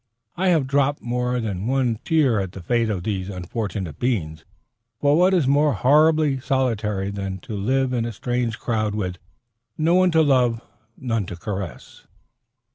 I have dropped more than one tear at the fate of these unfortunate beings; for what is more horribly solitary than to live in a strange crowd, with "No one to love, None to caress?"